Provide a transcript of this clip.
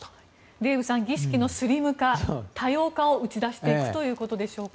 デーブさん儀式のスリム化多様化を打ち出していくということでしょうか。